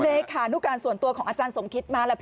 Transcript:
เลขานุการส่วนตัวของอาจารย์สมคิดมาแล้ว